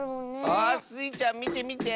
あスイちゃんみてみて。